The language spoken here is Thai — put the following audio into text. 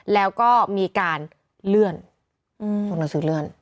แล้วก็มีการเลื่อนส่งหนังสือเลื่อน